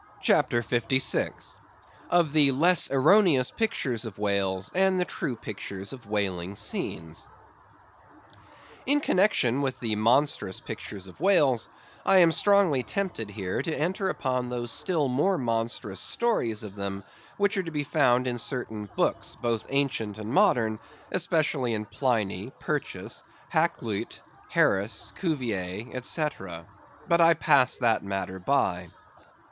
CHAPTER 56. Of the Less Erroneous Pictures of Whales, and the True Pictures of Whaling Scenes. In connexion with the monstrous pictures of whales, I am strongly tempted here to enter upon those still more monstrous stories of them which are to be found in certain books, both ancient and modern, especially in Pliny, Purchas, Hackluyt, Harris, Cuvier, etc. But I pass that matter by.